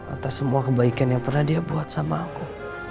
atas semua kebaikan yang pernah dia buat sama aku